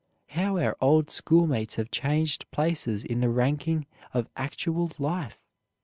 How our old schoolmates have changed places in the ranking of actual life!